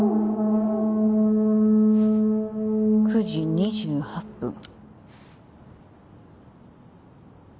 ９時２８分